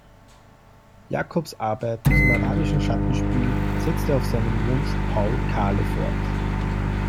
Jacobs Arbeiten zum arabischen Schattenspiel setzte auf seinen Wunsch Paul Kahle fort.